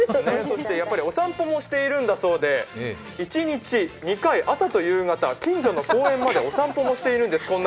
お散歩もしているんだそうで、一日２回、朝と夕方、近所の公園までお散歩もしているようなんです。